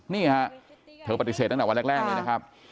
นี่ฮะเธอปฏิเสธตั้งแต่วันแรกเลยนะครับ